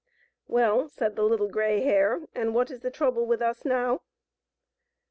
" Well," said the Little Grey Hare, " and what is the trouble with us now?"